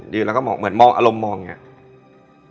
แล้วก็เหมือนมองอารมณ์มองอย่างนี้